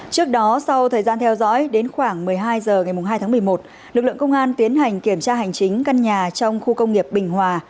trước đó sau thời gian theo dõi đến khoảng một mươi hai h ngày hai tháng một mươi một lực lượng công an tiến hành kiểm tra hành chính căn nhà trong khu công nghiệp bình hòa